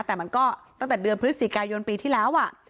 แต่มันก็ตั้งแต่เดือนพฤศจิกายนปีที่แล้ว